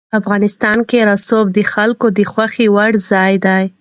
افغانستان کې رسوب د خلکو د خوښې وړ ځای دی.